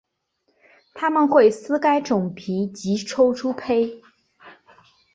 它们会撕开种皮及抽出胚。